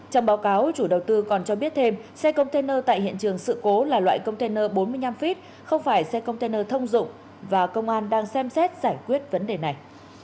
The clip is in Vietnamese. trong báo cáo chủ đầu tư còn cho biết thêm xe container tại hiện trường sự cố là loại container bốn mươi năm feet không phải xe container thông dụng và công an đang xem xét giải quyết vấn đề này